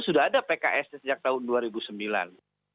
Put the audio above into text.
sudah ada pks sejak tahun dua ribu sembilan